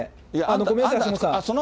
ごめんなさい。